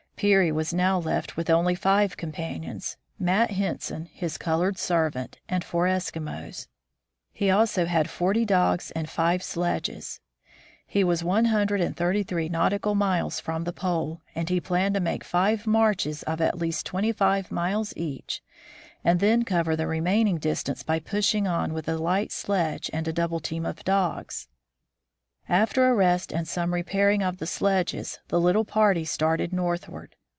Peary was now left with only five companions, — Matt Henson, his colored servant, and four Eskimos; he also had forty dogs and five sledges. He was one hundred and thirty three nautical miles from the Pole, and he planned to make five marches of at least twenty five miles each, and then cover the remaining distance by pushing on with a light sledge and a double team of dogs. After a rest and some repairing of the sledges the little party started northward.